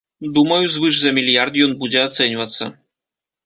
Думаю, звыш за мільярд ён будзе ацэньвацца.